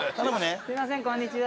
すいませんこんにちは。